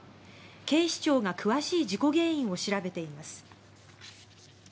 警視庁が詳しい事故原因を調べています。